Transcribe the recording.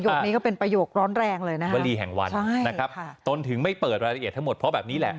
นี้ก็เป็นประโยคร้อนแรงเลยนะวลีแห่งวันนะครับตนถึงไม่เปิดรายละเอียดทั้งหมดเพราะแบบนี้แหละ